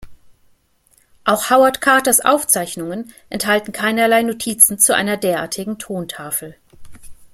Auch Howard Carters Aufzeichnungen enthalten keinerlei Notizen zu einer derartigen Tontafel.